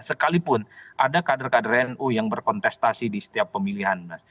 sekalipun ada kader kader nu yang berkontestasi di setiap pemilihan